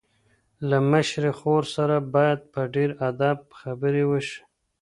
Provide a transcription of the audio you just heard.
له مشرې خور سره باید په ډېر ادب خبرې وشي.